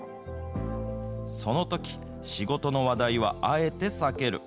そのとき、仕事の話題はあえて避ける。